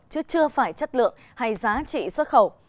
chứ chưa phải chất lượng hay giá trị xuất khẩu